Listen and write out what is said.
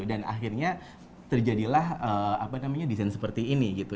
dan akhirnya terjadilah apa namanya desain seperti ini gitu